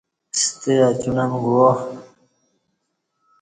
ستہ اچوݨم گوا۔